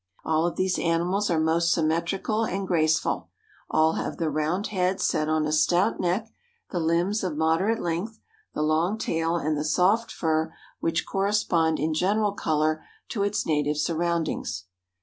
All of these animals are most symmetrical and graceful; all have the round head set on a stout neck, the limbs of moderate length, the long tail and the soft fur which correspond in general color to its native surroundings.